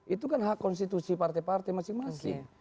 itu kan hak konstitusi partai partai masing masing